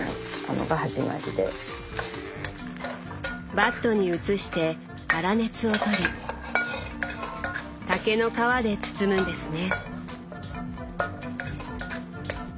バットに移して粗熱をとり竹の皮で包むんですね。